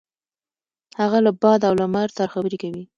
هغه له باد او لمر سره خبرې کوي.